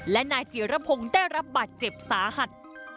และนายจิรพงศ์ได้รับบาดเจ็บสาหัส